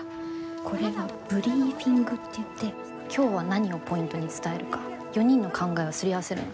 これはブリーフィングっていって今日は何をポイントに伝えるか４人の考えを擦り合わせるの。